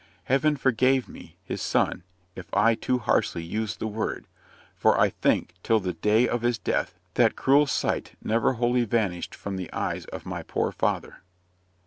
Heaven forgive me, his son, if I too harshly use the word; for I think, till the day of his death, that cruel sight never wholly vanished from the eyes of my poor father.